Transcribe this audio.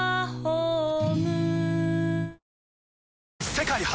世界初！